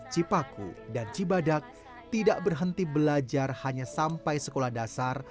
chip aku dan cibadak tidak berhenti belajar hanya sampai sekolah dasar atau menengah pertama saja